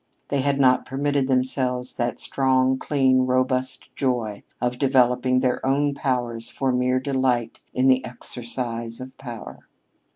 They had not permitted themselves that strong, clean, robust joy of developing their own powers for mere delight in the exercise of power.